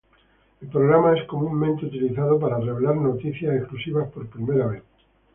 El programa es comúnmente utilizado para revelar noticias exclusivas por primera vez.